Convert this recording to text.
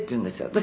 私。